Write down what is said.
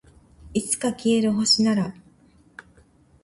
いつか消える星なら